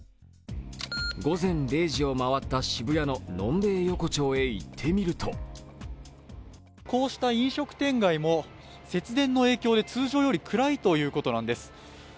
午前０時を回った渋谷の飲んべえ横丁へ行ってみるとこうした飲食店街も節電の影響で通常よりも暗いということなんです。